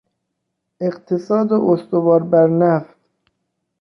اقتصاد استوار بر نفت